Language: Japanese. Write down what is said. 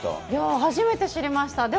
いや、初めて知りました。